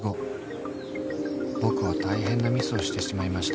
［僕は大変なミスをしてしまいました］